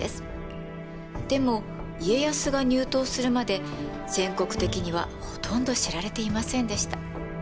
でも家康が入湯するまで全国的にはほとんど知られていませんでした。